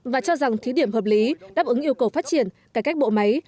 và cho rằng thí điểm hợp lý đáp ứng yêu cầu phát triển cải cách bộ máy